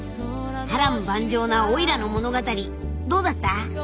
波乱万丈なオイラの物語どうだった？